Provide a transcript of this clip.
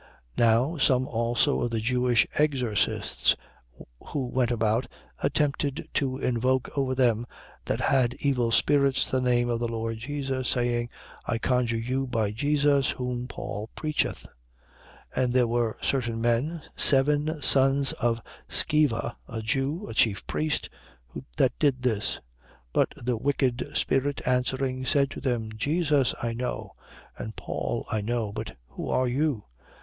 19:13. Now some also of the Jewish exorcists, who went about, attempted to invoke over them that had evil spirits the name of the Lord Jesus, saying: I conjure you by Jesus, whom Paul preacheth. 19:14. And there were certain men, seven sons of Sceva, a Jew, a chief priest, that did this. 19:15. But the wicked spirit, answering, said to them: Jesus I know: and Paul I know. But who are you? 19:16.